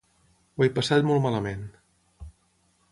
Ho he passat molt malament...